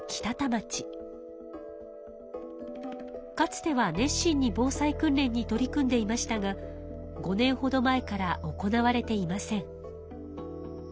かつては熱心に防災訓練に取り組んでいましたが５年ほど前から行われていません。